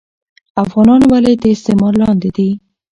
افغانان ولي د استعمار لاندي دي